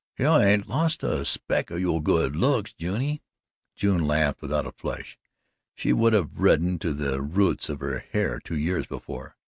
"You haint lost a spec o' yo' good looks, Juny." June laughed without a flush she would have reddened to the roots of her hair two years before.